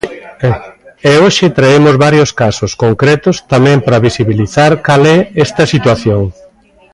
E hoxe traemos varios casos concretos tamén para visibilizar cal é esta situación.